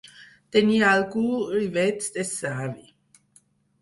Tenir algú rivets de savi.